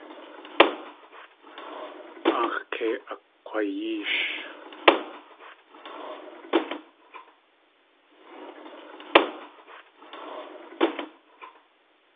Aax̲ kei akg̲wayéesh.